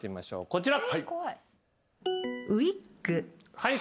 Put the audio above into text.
こちら。